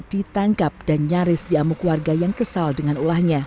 ditangkap dan nyaris diamu keluarga yang kesal dengan ulahnya